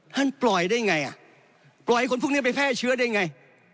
ปล่อยได้ไงอ่ะปล่อยคนพวกนี้ไปแพร่เชื้อได้ไง